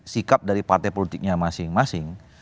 sikap dari partai politiknya masing masing